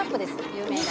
有名な。